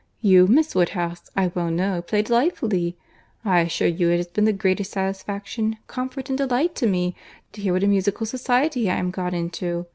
You, Miss Woodhouse, I well know, play delightfully. I assure you it has been the greatest satisfaction, comfort, and delight to me, to hear what a musical society I am got into.